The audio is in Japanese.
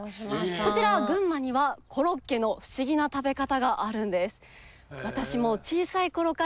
こちら群馬にはコロッケのフシギな食べ方があるんです。